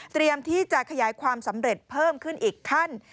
ที่จะขยายความสำเร็จเพิ่มขึ้นอีกขั้น